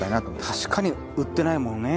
確かに売ってないもんね。